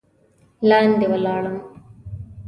لاندې ولاړم.